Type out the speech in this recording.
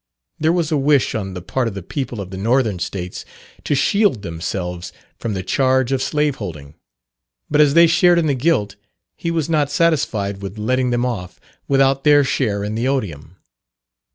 There was a wish on the part of the people of the northern States to shield themselves from the charge of slave holding, but as they shared in the guilt, he was not satisfied with letting them off without their share in the odium.